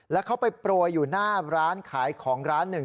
แล้วเขาไปโปรยอยู่หน้าร้านขายของร้านหนึ่ง